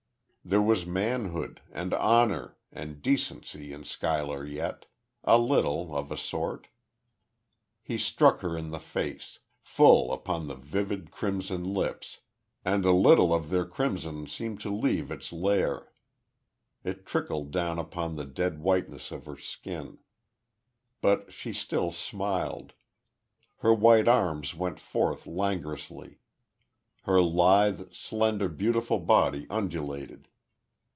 There was manhood, and honor, and decency in Schuyler yet a little, of a sort. He struck her in the face full upon the vivid, crimson lips and a little of their crimson seemed to leave its lair. It trickled down upon the dead whiteness of her skin.... But she still smiled. Her white arms went forth languorously. Her lithe, slender, beautiful body undulated.